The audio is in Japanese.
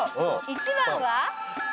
１番は。